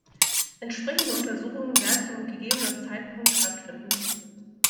Entsprechende Untersuchungen werden zum gegebenen Zeitpunkt stattfinden.